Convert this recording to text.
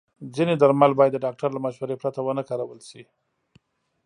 ځینې درمل باید د ډاکټر له مشورې پرته ونه کارول شي.